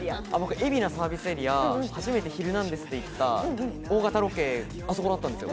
海老名サービスエリアは、『ヒルナンデス！』で初めて行った大型ロケ、あそこだったんですよ。